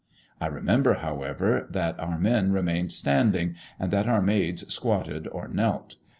I remember, however, that our men remained standing, and that our maids squatted or knelt.